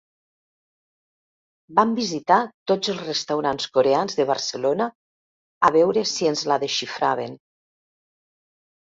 Vam visitar tots els restaurants coreans de Barcelona, a veure si ens la desxifraven.